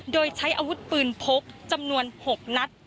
โดยใช้อาวุธปืนพกจำนวน๖นัด